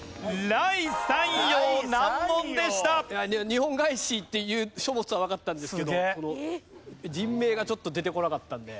『日本外史』っていう書物はわかったんですけどこの人名がちょっと出てこなかったんで。